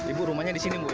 ibu rumahnya di sini iya